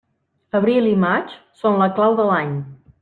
Abril i maig són la clau de l'any.